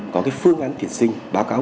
có cái phương án tuyển sinh báo cáo